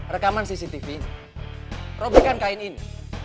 rekaman cctv ini robikan kain ini